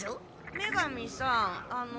女神さんあの。